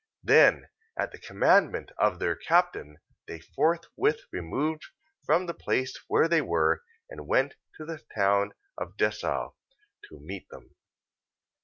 14:16. Then at the commandment of their captain, they forthwith removed from the place where they were, and went to the town of Dessau, to meet them.